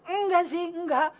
enggak sih enggak